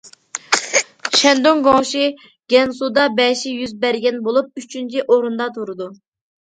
شەندۇڭ، گۇاڭشى، گەنسۇدا بەشى يۈز بەرگەن بولۇپ، ئۈچىنچى ئورۇندا تۇرىدۇ.